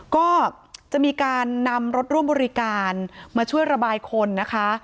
ก็จะมีการนำรถร่วมบริการมาช่วยระบายคนนะคะ